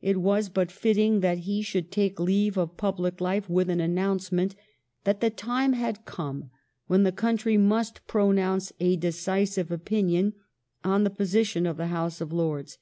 It was but fitting that he should take leave of public life with an announcement that the time had come when the country must pro nounce a decisive opinion on the position of the House of Lords.